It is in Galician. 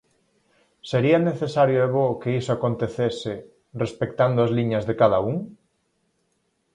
Sería necesario e bo que iso acontecese, respectando as liñas de cada un?